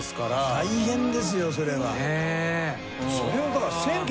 大変ですよそれは。